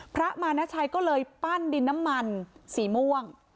พระมานาชัยก็เลยปั้นดินน้ำมันสีม่วง